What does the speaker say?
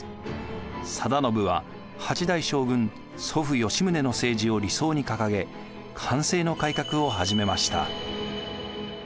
定信は８代将軍祖父吉宗の政治を理想に掲げ寛政の改革を始めました。